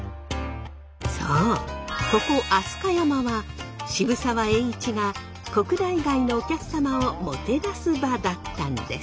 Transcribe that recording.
そうここ飛鳥山は渋沢栄一が国内外のお客様をもてなす場だったんです。